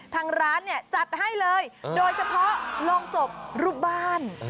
ทางร้านเนี่ยจัดให้เลยโดยเฉพาะโรงศพรูปบ้าน